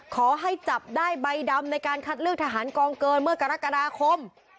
ขอให้จับได้ใบดำในการคัดเลือกทหารกองเกินเมื่อกรกฎาคม